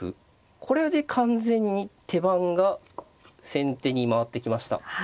これで完全に手番が先手に回ってきました。